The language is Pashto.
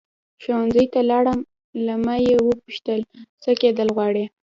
ښوونځي ته لاړم له ما یې وپوښتل څه کېدل غواړې.